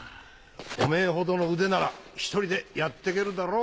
おめぇほどの腕なら一人でやってけるだろ。